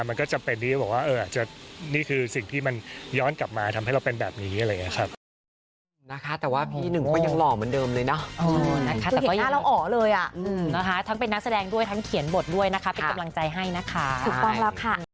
มันก็จำเป็นที่บอกว่าอาจจะนี่คือสิ่งที่มันย้อนกลับมาทำให้เราเป็นแบบนี้อะไรอย่างนี้ครับ